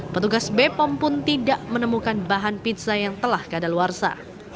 petugas bepom pun tidak menemukan bahan pizza yang telah kadaluarsa